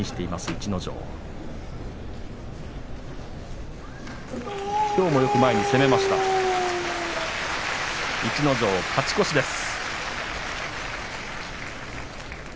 逸ノ城、勝ち越しです。